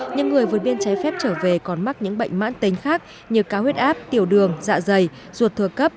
những người vượt biên chế phép trở về còn mắc những bệnh mãn tính khác như cao huyết áp tiểu đường dạ dày ruột thừa cấp